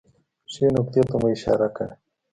ښې نکتې ته مو اشاره کړې